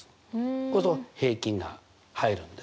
こうすると平均が入るんです。